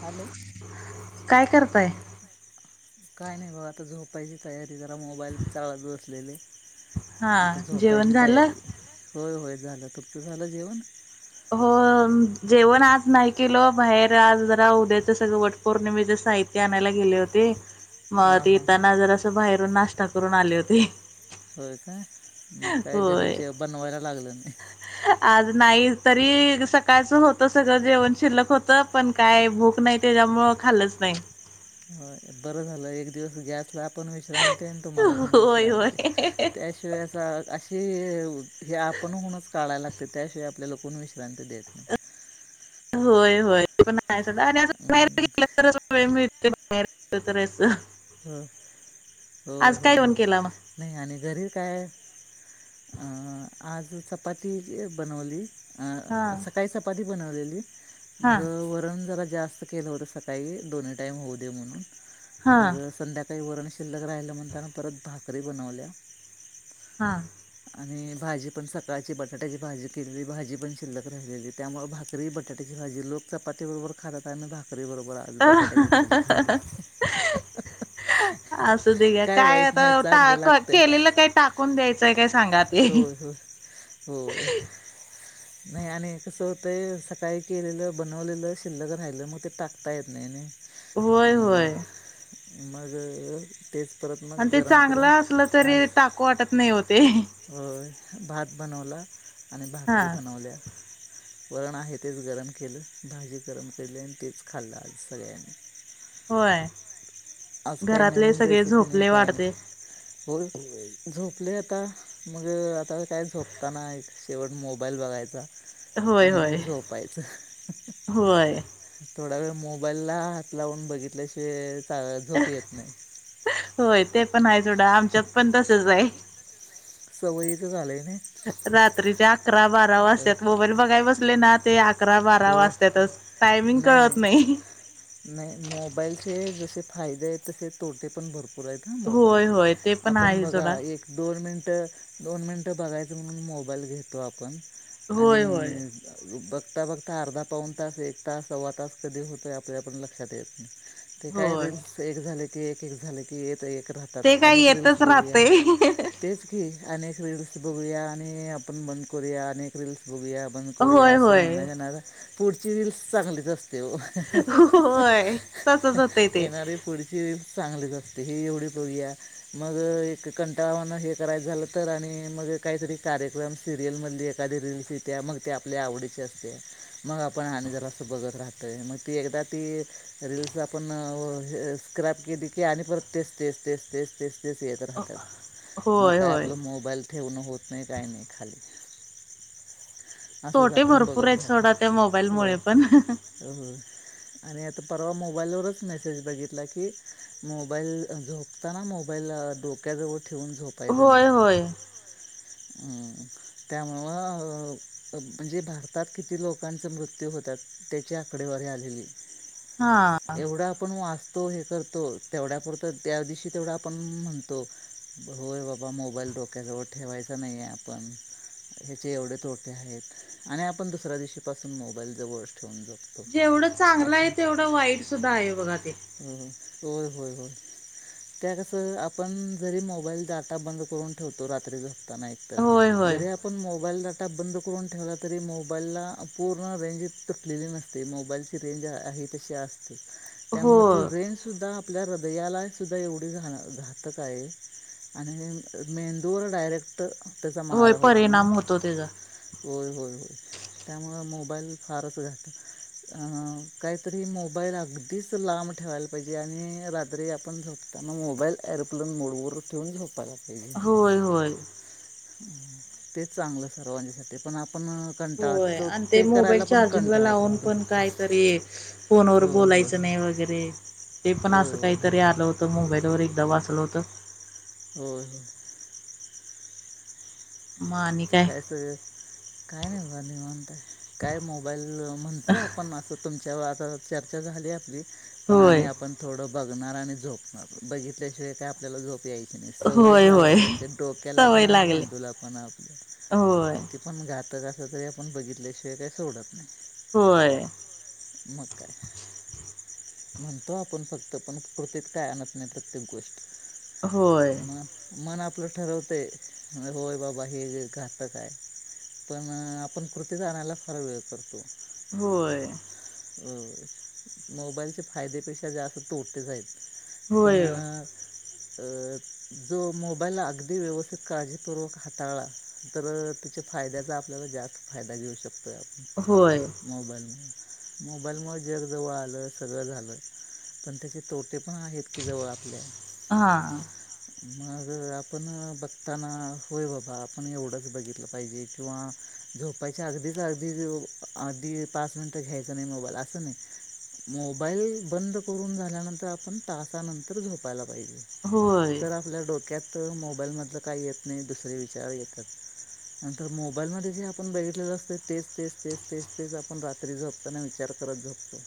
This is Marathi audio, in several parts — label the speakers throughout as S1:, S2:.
S1: हॅलो
S2: काय करताय?
S1: काय नाही बाबा आता झोपायची तयारी जरा मोबाईल चालत असलेले.
S2: हा
S1: आता
S2: जेवण
S1: झोपायची
S2: झालं?
S1: तयारी होय होय झालं तुपत झालं जेवण.
S2: हो जेवण आज नाही केलं बाहेर आज जरा उद्याचं सगळं वट पौर्णिमेच साहित्य आणायला गेले होते. मग
S1: हां
S2: ते
S1: हां हां
S2: येताना जर असं बाहेरून नाश्ता करून आले होते.
S1: होय का मग काय
S2: होय
S1: घरीच बनवायला लागलं नाही.
S2: नाहीई. तरी सकाळचं होत सगळं जेवण शिल्लक होत पण काय भूक नाही त्याच्यामु खालच नाही. तेन
S1: ह बरं झालं एक दिवस गॅसला. पण विश्रांती आणि तुम्हाला पण
S2: होय होय.
S1: विश्रांती त्याशिवाय अस अशी. हे आपण होूनच काढायला लागत त्याशिवाय आपल्यालाक विश्रांती देत नाही.
S2: होय होय ते पण आहे स
S1: हम्म,
S2: आणिलं तर व. तरस.
S1: हो होय होय
S2: जेवण
S1: होय
S2: केला मग?
S1: नाही आणि घरी काय. अ आज चपाती बनवली. अ
S2: हा
S1: अस काही चपाती बनलेली
S2: हा
S1: मग वरण ज जास्त केलं होतं सकाळी दोन्ही टाईम होऊ दे म्हणून.
S2: हा.
S1: काही वरण शिल्लक राहिलं म्हण त्याना परत भाकरी बनवल्या.
S2: हा.
S1: आणि भाजी पण सकाळची बटाट्याची भाजी केलेली भाजी पण शिल्लक राहिलेली त्यामुळे भाकरी बटाट्याची भाजी लक चपाती बरोबर खात आणि भा. खरी बरोबर आज
S2: हा
S1: बटाट्याची भाजी खाल्ली.
S2: असू दे घ्या काय
S1: वाईट नाही चांगलं
S2: आता
S1: लागतंय
S2: केलेलं काही टाकून द्यायचंय काय? सांगा ते.
S1: होय होय होय नाही आणि कसं होतंय सकाळी केलेलं बनवलेलं शिल्लक राहिलं मग ते टाकता येत नाही नाही.
S2: होय होय.
S1: मग तेच परत मग
S2: आणि ते
S1: गरम
S2: चांगलं
S1: करून
S2: असलं
S1: आज
S2: तरी टाकू वाटत नाही ओ ते.
S1: भात बनवला आणि
S2: हा
S1: भाकरी बनवल्या. वरण आहे तेच गरम केलं भाजी गरम केली आणि तेच खाल्लं आज सगळ्यांनी.
S2: होय.
S1: आज काही
S2: घरातले
S1: नवीन
S2: सगळे
S1: रेसिपी नाही
S2: झोपले
S1: काय नाही
S2: वाढते
S1: हो झोपले आता. मग आता काय झोपताना शेवट मोबाईल बघायचा.
S2: होय
S1: आणि मग
S2: होय
S1: झोपायचं
S2: होय.
S1: थोडा वेळ मोबाईलला हात लावून बघितल्याशि झोप येत नाही.
S2: होय ते पण आहे सोडा आमच्यात पण तसच आहे.
S1: सवयीच झालंय ना.
S2: रात्रीच्या अकरा बारा वाजत्यात त मोबाईल बघाय बसले ना ते. अकरा बारा
S1: हो
S2: वाजततच टायमिंग कळत नाही.
S1: नाही मोबाईलचे जसे फायदे आहेत तसे तोटे पण भरपूर आहेत ना
S2: होय
S1: मोबाईलचे
S2: होय ते पण
S1: आपण
S2: आहे
S1: बघा
S2: सोडा
S1: एक दोन मिनट दोन मिनिटं बघायच म्हणून मोबाईल घेतो आपण
S2: होय होय
S1: आणि बघता बघता. आता अर्धा पाऊन तास एक तास सव्वा तास कधी होतोय आपल्या आपण लक्षात येत नाही. ते काय
S2: होय
S1: रिल्स एक झाले की, एक, एक झाले की, एक एक. राहतात
S2: ते काय
S1: अनेक रीलस
S2: येतच
S1: बघूया
S2: राहतय
S1: तेच की. अनेक रीलस बघूया आणि आपण बंद करूया अनेक रीलस. बघूया बंद करूया
S2: होय
S1: असं
S2: होय
S1: म्हणणं येणार पुढची रीलस चांगलीच असते. तेव
S2: होय
S1: [unintelligible]
S2: तसच होतय ते
S1: येणारी पुढचीरील चांगलीच असते हेी एवढी बघूया मग एक कंटाळावान हे करायचं झालं तर आणि मग. काहीतरी कार्यक्रम सिरियल मधली एखादी रीलस येत्या मग ते आपल्या आवडीचे असते. मग आपण आणि जरा असं बघत राहतोय मग ती एकदा ती रीलस आपण स्क्रब केली की आणि परत तेच तेच तेच तेच तेच. ते येत राहतात मग
S2: होय
S1: काय
S2: होय
S1: आपलं मोबाईल. ठेवण होत नाही काही नाही खाली असंच
S2: तोटे
S1: आपण
S2: भरपूर
S1: बघत
S2: आहेत सोडा त्या मोबाईल मुळ पण.
S1: हं [inaudible] आणि आता परवा मोबाईलवरच मेसेज बघितला की मोबाईल झोपताना मोबाईल मोबाईल डोक्याजवळ ठेऊन झोपायच नाही.
S2: होय होय
S1: होय होय ह त्यामुळं मग म्हणजे भारतात किती लोकांचं मृत्यू होत्यात तेची आकडेवारी आलेली
S2: हा
S1: [inaudible] एवढा आपण वाच तो, हे करतो तेवढ्यापुरतं त्या दिवशी तेवढं आपण म्हणतो होय बाबा! मोबाईल डोक्याजवळ ठेवायचा नाही आपण ह्याचे एवढे तोटे आहेत आणि आपण दु सऱ्या दिवशीपासून मोबाईल जवळ
S2: जेवढं चांगलं आहे, तेवढं वाईट सुद्धा आहे बघा ते.
S1: होय होय होय [inaudible] त्या कस आपण जरी मोबाईल डाटा बंद करून ठेवतो रात्रीच पताना
S2: होय
S1: ऐकतात
S2: होय
S1: जरी आपण मोबाईल डाटा बंद करून ठेवला तरी मो बाईलला पूर्ण रेंज तुटलेली नसते, मोबाईलची रेंज आहे तशी असते.
S2: हो
S1: त्यामुळं ती रेंज सुद्धा [inaudible] आपल्या हृदयाला सुद्धा एवढी घ घातक आहे आणि मेंदूवर डायरेक्ट तर त्याचा
S2: होय
S1: मारा होतोय ना
S2: परिणाम होतो त्याचा
S1: होय होय होय त्यामुळं मोबाईल फारच घातक [inaudible] अ काहीतरी मोबाईल अगदीच लांब ठेवायला पाहिजे आणि रात्री आपण झोपतो [inaudible] त्यामुळं मोबाईल एरोप्लेन मोडवरच ठेवून झोपायच
S2: होय होय
S1: [inaudible] तेच चांगलं सर्वांच्यासाठी पण आपण कंटाळा
S2: होय
S1: तो
S2: आणि ते मोबाईल
S1: करायला पण
S2: चार्जिंगला
S1: कंटाळा
S2: लावून
S1: करतो
S2: पण काहीतरी फोनवर
S1: होय होय
S2: बोलायचं नाही. वगैरे ते पण
S1: होय
S2: अस
S1: होय होय
S2: काहीतरी आलं होत मोबाईल व एकदा वाचलं होत.
S1: होय होय
S2: मग आणि
S1: ते काय सगळं काय नाही बघा निवांत हाय. काय मोबाईल म्हणतो आपण असं तुमच्याबर आता चर्चा झाली आपली पण
S2: होय,
S1: आणि आपण थोड बघणार आणि झोपणार बघितल्याशिवाय का आपल्याला झोप यायची नाही सवयच
S2: होय, होय.
S1: लागलेली असते डोक्याला पण
S2: सवय
S1: आणि
S2: लागली.
S1: मेंदूला पण पण आपलं
S2: होय,
S1: किती पण घातक असलं तरी आपण बघितल्याशिवाय काही सोडत नाही.
S2: होय
S1: मग काय? [inaudible] म्हणतो आपण फक्त पण कृतीत काय आणत नाही, प्रत्येक गोष्ट.
S2: होय,
S1: मन मन आ ठरवतंय होय बाबा, हे जे घातक आहे. पण आपण कृती आणायला फार वेळ करतो.
S2: होय!
S1: होय होय मोबाईलचे फायदेपेक्षा जास्त तोटेच आहेत. पण
S2: होय,
S1: अ जो मोबाईल अगदी व्यवस्थित काळजीपूर्वक हाताळला तर तेच्यात फायद्याचा आपल्याला जास्त फायदा घेऊ शकतोय
S2: होय,
S1: आपण मोबाईलमुळे. मोबाईलमुळ जग जवळ आलं सगळं झालं पण त्याची तो टे पण आहेत की जवळ आपल्या.
S2: हा.
S1: मग आपण बघताना होय बाबा आपण एवढंच बघितलं पाहिजे किंवा झोपायच्या अगदीच अगदी आधी पाच मिनिटं घ्यायचं नाही मोबाईल असं नाही. मोबाईल बंद करून झाल्यानंतर आपण तासानंतर झोपायला पाहिजे
S2: होय.
S1: तर आपल्या डोक्यात मोबाईल मधलं काही येत नाही दुसरे विचार येतात. नंतर मोबाईल मध्ये जे आपण बघितलेलं असतय तेच तेच तेच तेच तेच आपण रात्री झोपताना विचार करत झोपतो.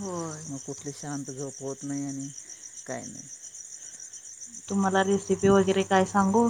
S2: होय.
S1: मग कुठली शांत झोप होत नाही आणि काय नाही.
S2: तुम्हांला रेसिपी वगैरे काय सांगू?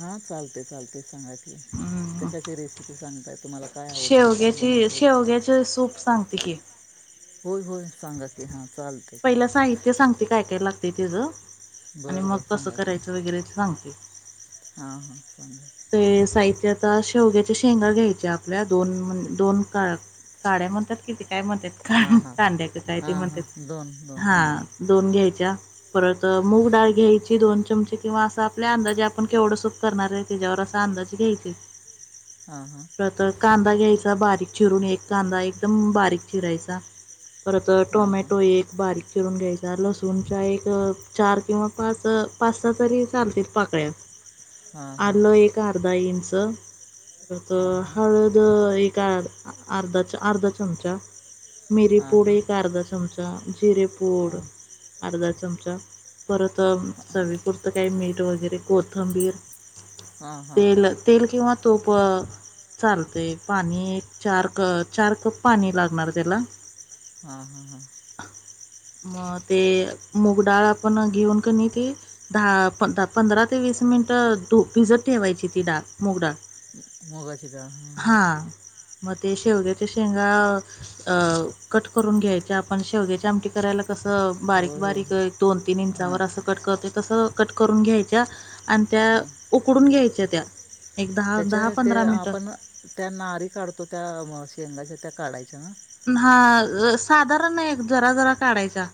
S1: हा चालते चालते सांगा की,
S2: अं
S1: कशाची रेसिपी सांगते?
S2: शेवग्याची शेवग्याचे सूप सांगते की?
S1: होय होय! सांगा की हां चालते
S2: पहिला साहित्य सांगते कायकायला लागते तेज आणि
S1: बरं
S2: मग
S1: बरं
S2: कसं करायचं वगैरे ते सांगते?
S1: हा हा सांगा!
S2: ते साहित्य आता शेवग्याच्या शेंगा घ्यायच्या आपल्या दोन म्हणज दोन काळ काड्या म्हणतात कि ती काय म्हणतात
S1: हां हां
S2: कांद्याक काय ते
S1: हां
S2: म्हणतात
S1: हां दोन दोन
S2: हा
S1: हां
S2: दोन घ्यायच्या परत मूग डाळ घ्यायची दोन चमचे किंवा अस आपल्या अंदाजे आपण केवढं सुूप करणार आहे त्याच्यावर अस अंदाजे घ्यायचे.
S1: हां हां
S2: परत कांदा घ्यायचा बारीक चिरून एक कांदा एकदम बारीक चिरायचा. परत
S1: हां हां
S2: टोमॅटो आहे एक बारीक चिरून घ्यायचा लसूण एक चार किंवा पाच पाच तरी चालतील पाकळ्या
S1: हां
S2: आलं
S1: हां
S2: एक अर्धा इंच हळद एक अर्धा अर्धा चमचा
S1: हां हां हां
S2: पूड एक अर्धा चमचा, जिरे पोड
S1: हां
S2: अर्धा चमचा परत चवी पुुरतं काही मीठ वगैरे कोथंबीर
S1: हां हां
S2: तेल तेल किंवा तूप चालतय पाणी एक चार क चार कप पाणी लागणार त्याला
S1: हा हा हा!
S2: [inaudible] मग ते मूगडाळ आपण घेऊन क ते दहा पंधरा ते वीस मिनट भिजत ठेवायची ती डाळ मूग डाळ.
S1: मुगाची डाळ, हा हा.
S2: हां मग ते शेवग्याच्या शेंगा अ कट करून घ्यायचे आपण शेवग्याच्या आमटी करायला कसं बारीक
S1: होय होय
S2: बारीक दोन तीन
S1: हां
S2: इंचावर असं कट करते तसं कट करून घ्यायच्या. आणि त्या
S1: हां
S2: उकडून घ्यायच्या त्या! एक
S1: त्याच्या ते
S2: मिनिटं
S1: आपण त्या नारी काढतो त्या शेंगाच्या त्या काढायच्या ना?
S2: हा साधारण आहे जरा जरा काढायच्या.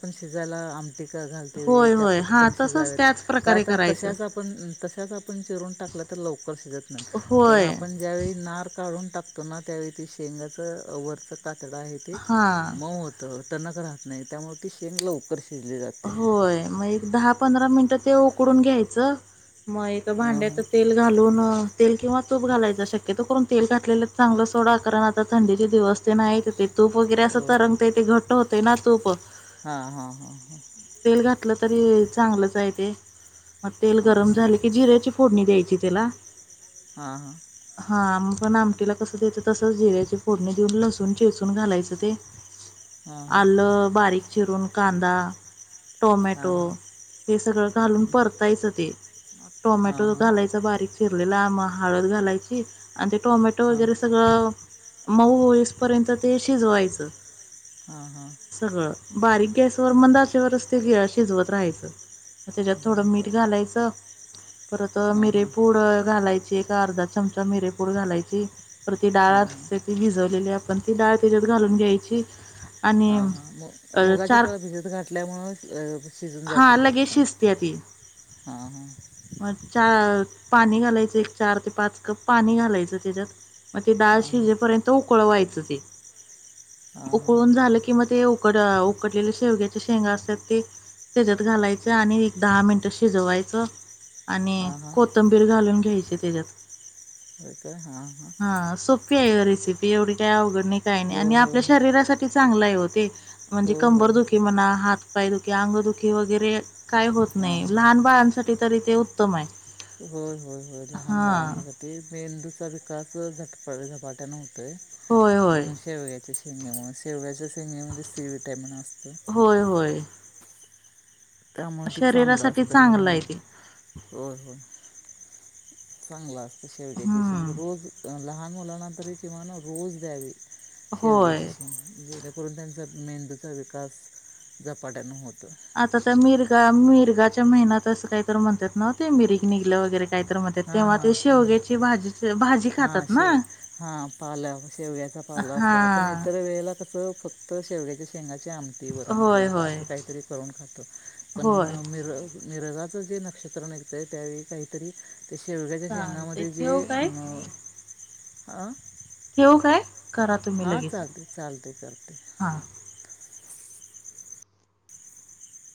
S1: पण शिजायला आम टी, घालते
S2: होय,
S1: त्या
S2: होय. हां,
S1: पटकन
S2: तसंच
S1: शिजाव
S2: त्याच प्रकारे
S1: का
S2: करायचं.
S1: तशच आपण तशच आपण चिरून टाक लवकर शिजत नाइत पण
S2: होय.
S1: आपण ज्यावेळी नार काढून टाकतो ना त्यावेळी ते शेंगाच वरच कातड आहे ते
S2: हां.
S1: मऊ होत टनक राहत नाही त्यामुळे ती शेंग लवकर शिजली जाते
S2: होय मग एक दहा पंधरा मिनिटं ते उकडून घ्यायचं, म एका
S1: हां
S2: भांड्यात
S1: हां
S2: तेल घालून तेल किंवा तूप घालायच शक्यतो करून तेल घातलेलं चांगलं सोडा कारण आता थंडीचे दिवस ते हायत ते तूप वगैरे असं तरंगतय ते घट होतंय ना तूप
S1: हा हा हा हा.
S2: तेल घातलं तरी चांगलंचय ते मग तेल
S1: हां
S2: गरम झाले की जिरे फोडणी द्यायची त्याला
S1: हा हा.
S2: हा पण आमटीला कसं देतं तस जिऱ्याची फोडणी देऊन लसूून चेचून घालायचं ते
S1: हां हां
S2: आलं बारीक चिरून कांदा
S1: हां हां
S2: टोमॅटो हे सगळं घालून परतायचं ते म
S1: हां
S2: टोमॅटो
S1: हां
S2: घालायचा बारीक चिरलेला हळद घालायची आणि ते टोमॅटो
S1: हां हां हां
S2: वैगरे सगळं मऊ होईस पर्यंत ते शिजवायचं
S1: हा हा.
S2: सगळं बारीक गॅसवर मंद आचेवर ते घ शिजवत राहायचं. म तेज्यात थोडं
S1: बरं
S2: मीठ
S1: बरं
S2: घालायचं. परत अ
S1: हां हां
S2: मिरेपूड घालायची एक अर्धा चमचा मिरेपूड घालायची. तर ती डाळ
S1: हां हां
S2: असत्याती भिजवलेली आपण ती डाळ तेज्यात घालून घ्यायची. आणि
S1: हा हा मु मुगाची
S2: चार
S1: तवा भिजत घात ल्यामुळे शिजूनं जाते
S2: हा लगेच
S1: पटकन
S2: शिजत्या ती
S1: हां हां
S2: मग चा पाणी घालायचं एक चार ते पाच कप पाणी घालायचं तेज्यात म ते डाळ
S1: हां
S2: शिजेपर्यंत उकळवायचं ते
S1: हां
S2: उकळून झालं की म ते उकड उकडलेले शेवग्याच्या शेंगा असत्यात ते. तेजात घालायचं आणि एक दहा मिनटं शिजवायचं आणि
S1: हां हां हां हां
S2: कोथंबीर घालून घ्यायची तेज्यात
S1: होय काय हां हां
S2: हा सोप्पी याय ओ रेसिपी एवढी काय अवघड आणि काय नाइ आणि
S1: होय
S2: आपल्या
S1: होय
S2: शरीरासाठी चांगलाय वो ते म्हणजे
S1: होय
S2: कंबर
S1: होय
S2: दुखी म्हणा हात पायदुखी, अंगदुखी वगरे काय होत
S1: हां
S2: नाइ
S1: हां
S2: लहान बाळांसाठी तरी ते उत्तमय.
S1: होय होय होय लहान बाळांच्यासाठी मेंदूचा विकास झटपट झपाट्यानं होत काय
S2: होय, होय.
S1: अं शेवग्याच्या शेंगामुळे ते म्हणजे सी व्हिटॅमिन असतं.
S2: होय, होय.
S1: त्यामुळे ते चांगलं
S2: शरीरासाठी
S1: असतं लहान
S2: चांगलं आहे
S1: मुलां
S2: ते.
S1: होय होय चांगलं असतं शेवग्याची शेंग
S2: हं.
S1: रोज लहान मुलांना तरी किमान रोज द्यावी.
S2: होय.
S1: शेवग्याचीे शेंग जेणेकरून त्यांचा मेंदूचा विकास झपाट्यानं होत
S2: आता त्या मिरगा मिरगाच्या महिन्यात असं काय तर म्हणत्यात नव ते मिरीग निघलं वगरे कायतर म्हणत्यात
S1: हां
S2: तेव्हा
S1: हां
S2: ते
S1: हां
S2: शेवग्याची भाजीची भाजी
S1: हां
S2: खातात ना.
S1: शेव हां पाला शेवग्याचा पाला असतो आपण
S2: हां.
S1: इतर वेळेला कसं फक्त शेवग्याच्या शेंगा आमटी वरण किंवा
S2: होय, होय.
S1: असं कायतरी करून खातो, पण
S2: होय.
S1: मिर मिरगात जे नक्ष्रत्र निघत्यय त्यावेळी कायतरी ते शेवग्याच्या
S2: चालतंय
S1: शेंगामध्ये जे
S2: ठेवू काय?
S1: हम्म अं
S2: [unintelligible] करा तुम्ही
S1: हां
S2: लगेच
S1: चालते चालते करते
S2: हां.